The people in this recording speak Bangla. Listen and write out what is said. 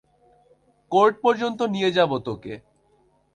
কোর্ট পর্যন্ত নিয়ে যাবে তোকে।